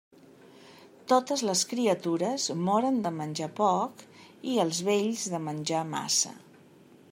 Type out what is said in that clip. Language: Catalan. Totes les criatures moren de menjar poc i els vells de menjar massa.